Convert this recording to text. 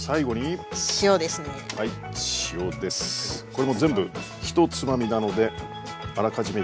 これも全部１つまみなのであらかじめ１